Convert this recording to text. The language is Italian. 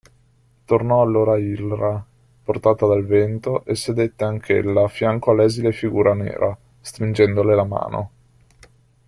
Tornò allora Ilra, portata dal vento, e sedette anch'ella affianco all'esile figura nera, stringendole la mano.